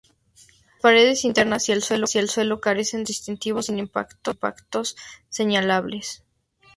Las paredes internas y el suelo carecen de rasgos distintivos, sin impactos reseñables.